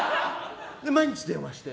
毎日、電話して。